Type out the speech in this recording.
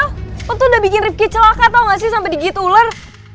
lu tuh udah bikin rizky celaka tau gak sih sampe digigit ular